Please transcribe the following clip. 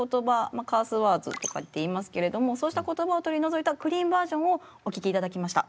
あカースワードとかって言いますけれどもそうした言葉を取り除いたクリーンバージョンをお聴きいただきました。